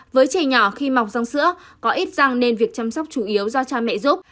với trẻ nhỏ khi mọc răng sữa có ít răng nên việc chăm sóc chủ yếu do cha mẹ giúp